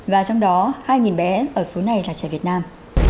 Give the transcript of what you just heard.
và trong đó hai bé ở số này là trẻ việt nam